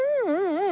うん！